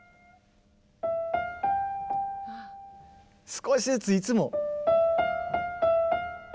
少しずついつも。